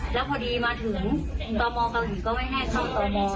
แล้วพอดีมาถึงตอมกะหุ่นก็ไม่ให้เข้าตอม